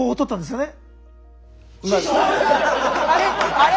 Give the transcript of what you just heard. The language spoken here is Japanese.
あれ？